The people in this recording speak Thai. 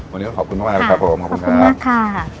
วันนี้ขอบคุณมากค่ะบ้างครับคุณครับคุณน่าค่ะขอบคุณค่ะ